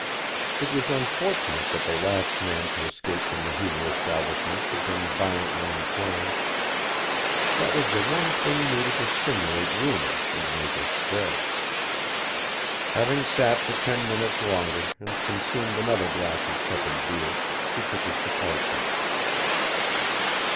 It was unfortunate that the last man to escape from the Hoover establishment had been violently inclined, that was the one thing needed to stimulate Rumour and make her spread. Having sat for ten minutes longer and consumed another glass of tepid beer, he took his departure.